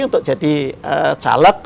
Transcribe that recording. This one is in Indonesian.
untuk jadi caleg